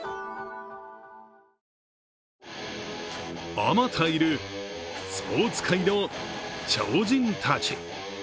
あまたいるスポーツ界の超人たち。